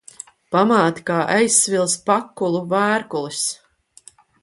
Pamāte kā aizsvilis pakulu vērkulis.